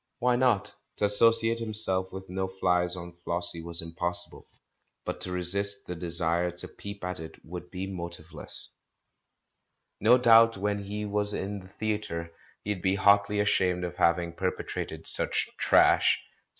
Why not? To associate himself with No Flics on Flossie was impossible, but to resist the desire to peep at it would be motiveless. 394 THE MAN WHO UNDERSTOOD WOMEN No doubt when he was in the theatre he'd be hotly ashamed of having perpetrated such trash.